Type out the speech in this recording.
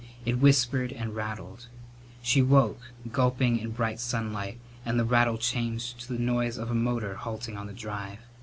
It whispered and rattled. She woke, gulping, in bright sunlight, and the rattle changed to the noise of a motor halting on the drive.